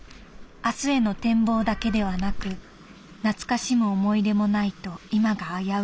「明日への展望だけではなく懐かしむ思い出もないと今が危うい。